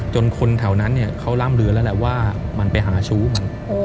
คนแถวนั้นเขาร่ำลือแล้วแหละว่ามันไปหาชู้มัน